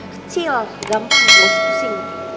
kecil gampang gak usah pusing